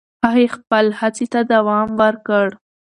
هغې خپل هڅې ته دوام ورکړ.